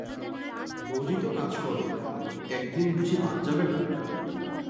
রোজই তো কাজ করো, একদিন বুঝি বাদ যাবে না?